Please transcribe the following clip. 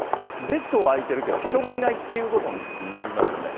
ベッドは空いてるけど人がいないっていうことになりますよね。